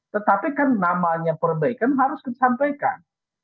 tetapi kan namanya perbaikan harus disampaikan